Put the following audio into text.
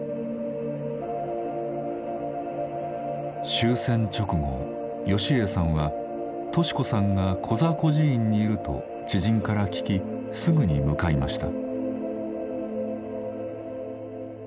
終戦直後芳英さんは敏子さんがコザ孤児院にいると知人から聞きすぐに向かいました。